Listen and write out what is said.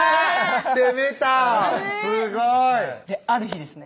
攻めたすごいある日ですね